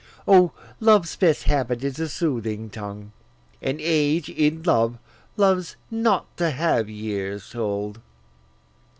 O, love's best habit is a soothing tongue, And age, in love, loves not to have years told.